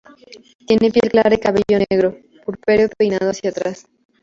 Tiene piel clara y cabello negro-purpúreo peinado hacia atrás.